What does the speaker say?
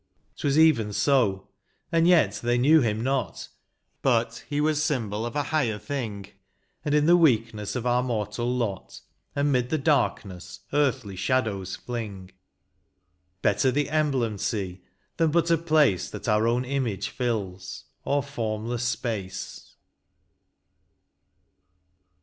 'T was even so ; and yet they knew him not ; But he was symbol of a higher thing, And in the weakness of our mortal lot. And 'mid the darkness earthly shadows fling ; Better the emblem see, than but a place That our own image fills — or formless space.